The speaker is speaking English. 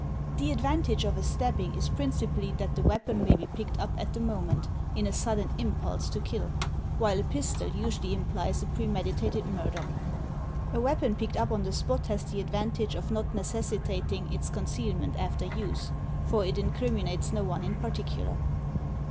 The advantage of a stabbing is principally that the weapon 246 THE TECHNIQUE OF THE MYSTERY STORY may be picked up at the moment, in a sudden impulse to kill; while a pistol usually implies a premeditated murder. A weapon picked up on the spot has the advantage of not necessitating its concealment after use, for it incriminates no one in particular.